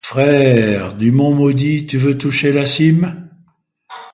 Frère ! du mont maudit tu veux toucher la cime ?